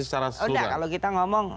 secara keseluruhan udah kalau kita ngomong